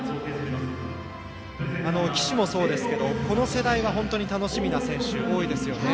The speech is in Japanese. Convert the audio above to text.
岸もそうですがこの世代は楽しみな選手が多いですよね。